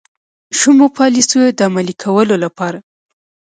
شومو پالیسیو د عملي کولو لپاره.